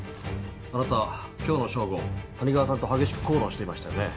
あなた今日の正午谷川さんと激しく口論していましたよね。